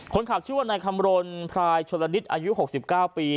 คนขับชื่อว่านายคำรณพรายชนละนิดอายุ๖๙ปี